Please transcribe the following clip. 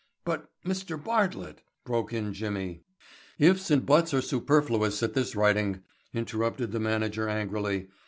"But, Mr. Bartlett," broke in Jimmy. "Ifs and buts are superfluous at this writing," interrupted the manager angrily.